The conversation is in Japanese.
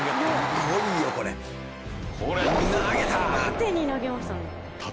縦に投げましたね。